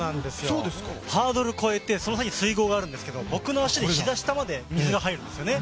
ハードルを越えてその先に水濠があるんですけど僕の足で膝下まで水が入るんですよね。